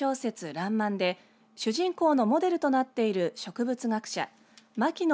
らんまんで主人公のモデルとなっている植物学者牧野